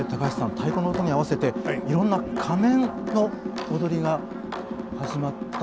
太鼓の音に合わせていろんな仮面の踊りが始まったんですね。